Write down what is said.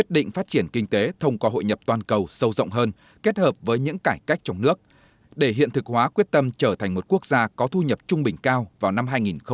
để hiện thực hóa quyết tâm trở thành một quốc gia có thu nhập trung bình cao vào năm hai nghìn ba mươi